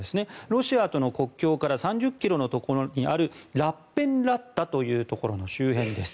ロシアとの国境から３０ｋｍのところにあるラッペンランタというところの周辺です。